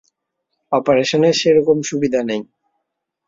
অপারেশনের সে রকম সুবিধা নেই।